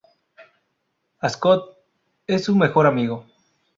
Ascot: Es su mejor amigo.